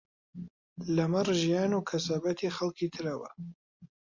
لەمەڕ ژیان و کەسابەتی خەڵکی ترەوە